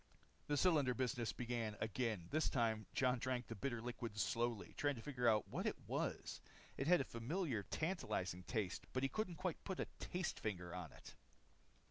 The cylinder business began again. This time, Jon drank the bitter liquid slowly, trying to figure out what it was. It had a familiar, tantalizing taste but he couldn't quite put a taste finger on it.